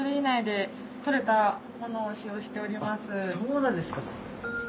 あっそうなんですか。